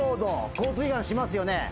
交通違反しますよね